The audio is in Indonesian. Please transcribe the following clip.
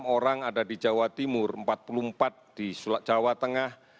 enam orang ada di jawa timur empat puluh empat di jawa tengah